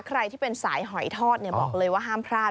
ใครที่เป็นสายหอยทอดบอกเลยว่าห้ามพลาด